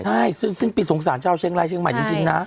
ใช่ซึ่งปิดสงสารเจ้าเชียงรายเชียงใหม่จริงนะ